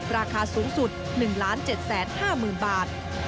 ราคาสูงสุด๑๗๕๐๐๐บาท